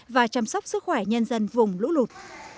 và chăm sóc sức khỏe nhân dân vùng lũ lụt